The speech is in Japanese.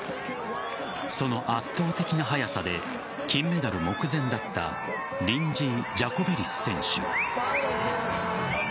その圧倒的な速さで金メダル目前だったリンジー・ジャコベリス選手。